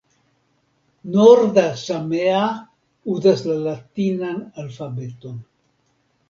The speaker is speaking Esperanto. Norda samea uzas la latinan alfabeton.